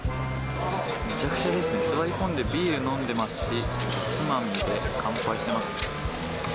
めちゃくちゃですね、座り込んでビール飲んでますし、おつまみで乾杯しています。